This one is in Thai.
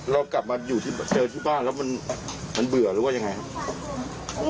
เรากลับมาเจอที่บ้านแล้วมันเบื่อหรือว่ายังไงครับ